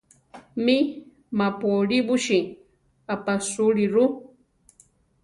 Mí, ma-pu olíbusi aʼpasúliru.